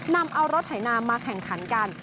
นำเอารถไถนามาแข่งขันกัน